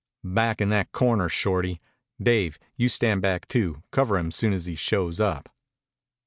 "Back in that corner, Shorty. Dave, you stand back, too. Cover him soon as he shows up."